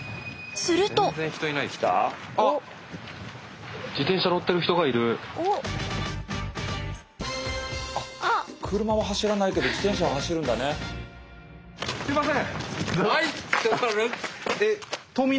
すいません！